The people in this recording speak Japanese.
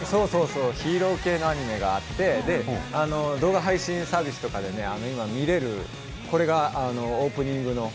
ヒーロー系のアニメがあって動画配信サービスなどで見られるのでこれがオープニングの。